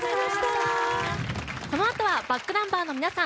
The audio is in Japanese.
このあとはｂａｃｋｎｕｍｂｅｒの皆さん